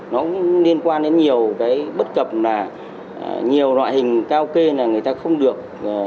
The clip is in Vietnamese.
nó cũng liên quan đến nhiều cái bất cập là nhiều loại hình cao kê là người ta không được